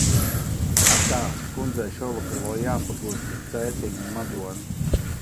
Atā, kundzei šovakar vēl jāpagūst uz Cēsīm un Madonu.